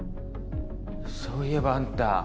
そう言えばあんた